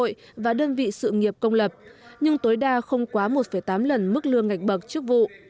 tổ chức chính trị xã hội và đơn vị sự nghiệp công lập nhưng tối đa không quá một tám lần mức lương ngạch bậc trước vụ